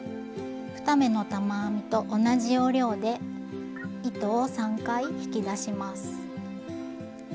２目の玉編みと同じ要領で糸を３回引き出します。